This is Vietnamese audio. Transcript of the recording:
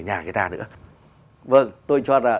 nhà người ta nữa vâng tôi cho là